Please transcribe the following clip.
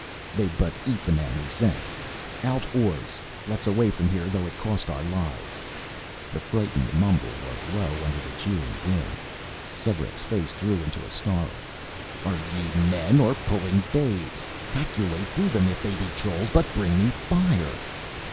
aye, they'd but eat the man we sent ... out oars, let's away from here though it cost our lives ..." The frightened mumble was low under the jeering wind. Svearek's face drew into a snarl. "Are ye men or puling babes? Hack yer way through them, if they be trolls, but bring me fire!"